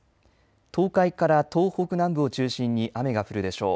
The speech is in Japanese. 東海から東北南部を中心に雨が降るでしょう。